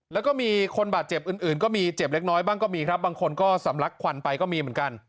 แล้วก็มีคนบาดเจ็บอื่นก็มีเจ็บเล็กน้อยบ้างก็มีครับบางคนก็สำลักควันไปก็มีเหมือนกัน